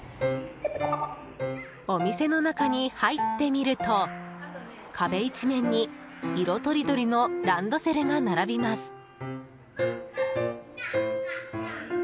お店の中に入ってみると壁一面に色とりどりのランドセルが並びます。